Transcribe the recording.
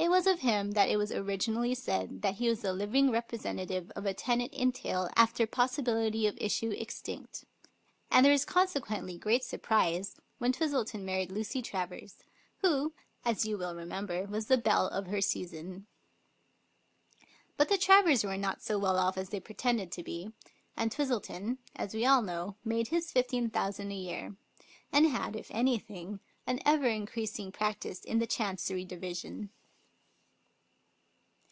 It was of him that it was originally said that he was the living represent ative of a tenant in tail after possibility of issue extinct; and. there was consequently great surprise when Twistle ton married Lucy Travers, who, as you will remember, was the belle of her season. But the Travers were not so well off as they pretended to be, and Twistleton, as we all know, made his fifteen thousand a year, and had, if anything, an ever increasing practice in the Chancery Division.